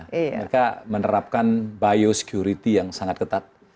mereka menerapkan biosecurity yang sangat ketat